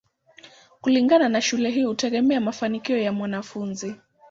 Kujiunga na shule hii hutegemea mafanikio ya mwanafunzi.